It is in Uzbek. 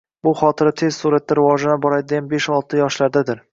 bu xotira tez surʼatda rivojlana boshlaydigan to'rt-besh yoshlardir.